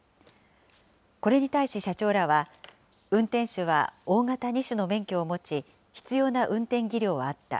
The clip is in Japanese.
これに対し、社長らは、運転手は大型２種の免許を持ち、必要な運転技量はあった。